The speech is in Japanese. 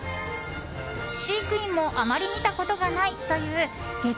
飼育員もあまり見たことがないという激